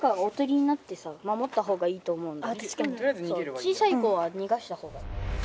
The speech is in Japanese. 小さい子は逃がしたほうが。